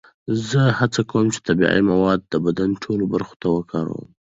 زه هڅه کوم چې طبیعي مواد د بدن ټولو برخو ته وکاروم.